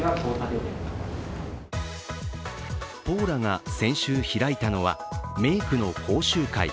ポーラが先週開いたのはメイクの講習会。